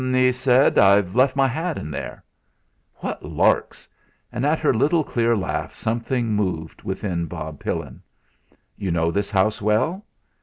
"Er" he said, "I've left my hat in there." "What larks!" And at her little clear laugh something moved within Bob Pillin. "You know this house well?"